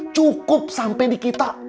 cukup sampai di kita